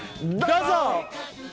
どうぞ！